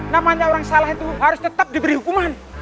namanya orang salah itu harus tetap diberi hukuman